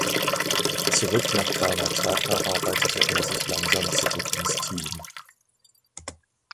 Zurück nach Karnataka arbeitete er sich langsam zurück ins Team.